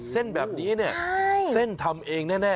เส้นแบบนี้เนี่ยเส้นทำเองแน่